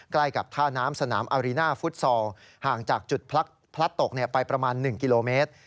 ใกล้กับท่าน้ำสนามอารีน่าฟุตซอลห่างจากจุดพลัดตกไปประมาณ๑กิโลเมตร